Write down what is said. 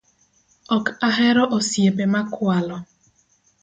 Ok ahero osiepe ma kwalo